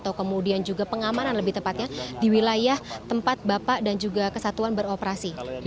atau kemudian juga pengamanan lebih tepatnya di wilayah tempat bapak dan juga kesatuan beroperasi